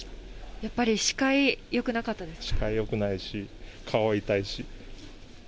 やっぱり視界、視界よくないし、顔は痛いし。